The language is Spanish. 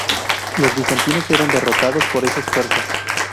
Los bizantinos fueron derrotados por esas fuerzas.